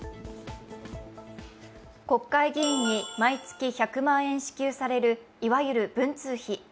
国会議員に毎月１００万円支給される、いわゆる文通費。